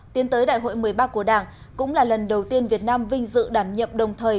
tiến tới đại hội một mươi ba của đảng cũng là lần đầu tiên việt nam vinh dự đảm nhiệm đồng thời